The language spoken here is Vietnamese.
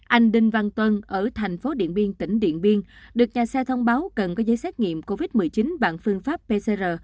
anh đinh văn tuân ở thành phố điện biên tỉnh điện biên được nhà xe thông báo cần có giấy xét nghiệm covid một mươi chín bằng phương pháp pcr